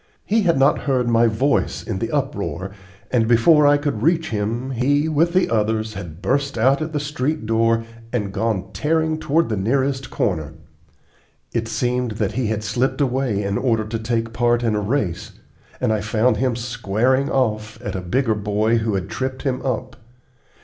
He had not heard my voice in the uproar, and before I could reach him, he with the others had burst out at the street door and gone tearing toward the nearest corner. It seemed that he had slipped away in order to take part in a race, and I found him "squaring off" at a bigger boy who had tripped him up.